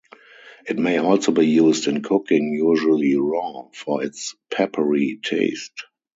It may also be used in cooking, usually raw, for its peppery taste.